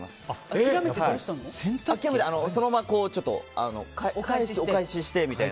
諦めてそのままお返ししてみたいな。